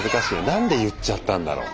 何で言っちゃったんだろう？